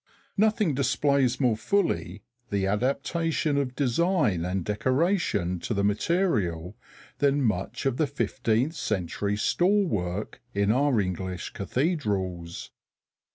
Nothing displays more fully the adaptation of design and decoration to the material than much of the fifteenth century stall work in our English cathedrals.